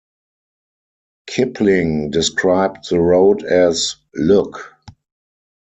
Kipling described the road as::Look!